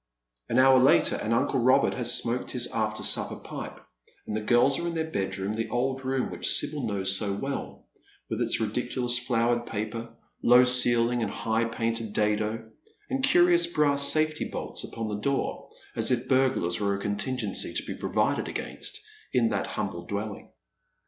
An hour later and uncle Robert has smoked his after supper pipe, and the girls are in their bedroom, the old room which iSibyl knows so well, with its ridiculous flowered paper, low ceiling, and high painted dado, and curious brass safety bolts upon the door, as if burglars were a contingency to be provided against in that humble dwelling.